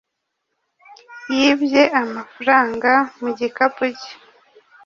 yibye amafaranga mu gikapu cye